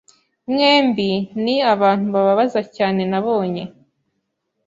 Mwembi ni abantu bababaza cyane nabonye.